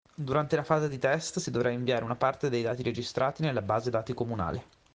Durante la fase di test, si dovrà inviare una parte dei dati registrati nella base dati comunale.